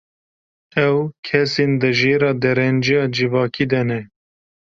Ew, kesên di jêra derenceya civakî de ne.